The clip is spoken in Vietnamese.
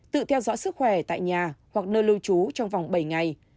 tự theo dõi sức khỏe tại nhà hoặc nơi lưu trú trong vòng bảy ngày